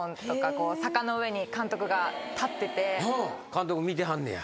監督見てはんねや？